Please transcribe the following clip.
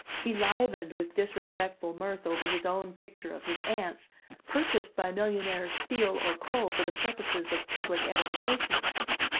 He livened with disrespectful mirth over his own picture of his aunts, purchased by millionaire steel or coal for the purposes of public edification.